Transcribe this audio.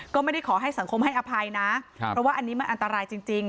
ก็ไม่ได้ขอให้สังคมให้อภัยนะเพราะว่าอันนี้มันอันตรายจริง